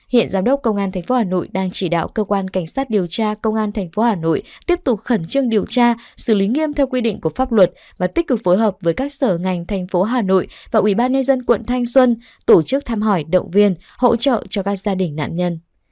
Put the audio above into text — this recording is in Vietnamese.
hiện giám đốc công an thành phố hà nội đang chỉ đạo cơ quan cảnh sát điều tra công an thành phố hà nội tiếp tục khẩn trương điều tra xử lý nghiêm theo quy định của pháp luật và tích cực phối hợp với các sở ngành thành phố hà nội và ubnd quận thanh xuân tổ chức thăm hỏi động viên hỗ trợ cho các gia đình nạn nhân